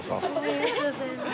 ありがとうございます。